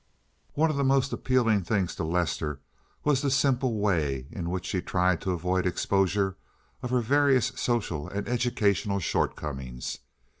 One of the most appealing things to Lester was the simple way in which she tried to avoid exposure of her various social and educational shortcomings.